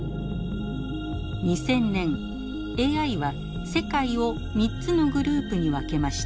２０００年ＡＩは世界を３つのグループに分けました。